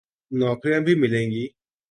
نوکریاں بھی ملیں گی۔